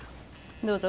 どうぞ。